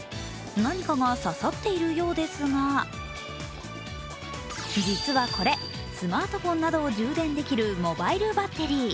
何かが刺さっているようですが実はこれ、スマートフォンなどを充電できるモバイルバッテリー。